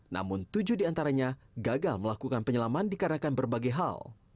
namun tujuh diantaranya gagal melakukan penyelaman dikarenakan berbagai hal